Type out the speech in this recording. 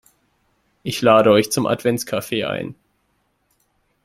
Ich lade euch zum Adventskaffee ein.